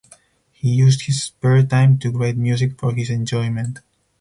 He used his spare time to write music for his enjoyment.